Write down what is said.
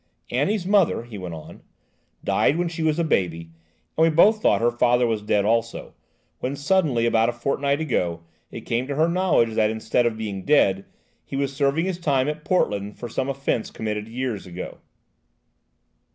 "Annie's mother," he went on, "died when she was a baby, and we both thought her father was dead also, when suddenly, about a fortnight ago, it came to her knowledge that instead of being dead, he was serving his time at Portland for some offence committed years ago."